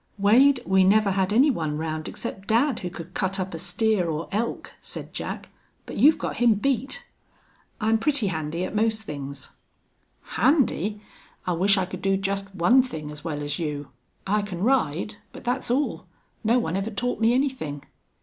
"Wade, we never had any one round except dad who could cut up a steer or elk," said Jack. "But you've got him beat." "I'm pretty handy at most things." "Handy!... I wish I could do just one thing as well as you. I can ride, but that's all. No one ever taught me anything."